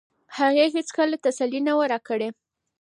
هغې هیڅکله تسلي نه وه راکړې.